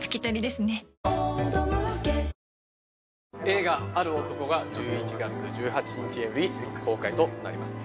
映画『ある男』が１１月１８日より公開となります。